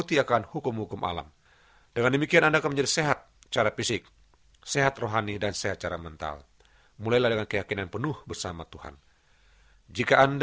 dan sehat secara fisik